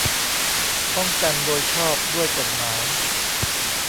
ป้องกันโดยชอบด้วยกฎหมาย